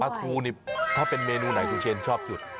ทูนี่ถ้าเป็นเมนูไหนครูเชนชอบสุด